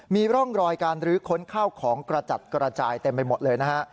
มีร่องรอยการรื้อค้นข้าวของกระจัดกระจายเต็มไปหมดเลยนะฮะ